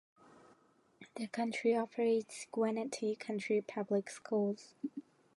The county operates Gwinnett County Public Schools.